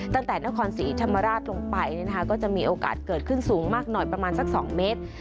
ตั้งแต่นครศรีธรรมราชลงไปก็จะมีโอกาสเกิดขึ้นสูงมากหน่อยประมาณสัก๒เมตร